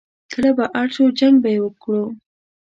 کله به اړ شو، جنګ به یې وکړ.